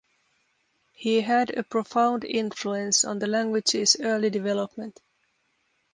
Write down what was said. He had a profound influence on the language's early development.